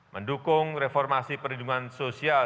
mendukung reformasi perlindungan sosial